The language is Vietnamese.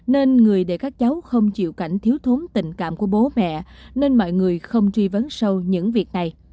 nên người để các cháu không chịu cảnh thiếu thốn tình cảm của bố mẹ nên mọi người không truy vấn sâu những việc này